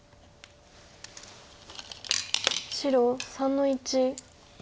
白３の一。